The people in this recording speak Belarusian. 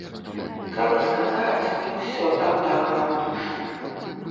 Трэба сказаць, не ўсё там так рамантычна.